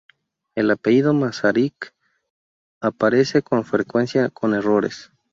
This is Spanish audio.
El apellido Masaryk aparece con frecuencia con errores.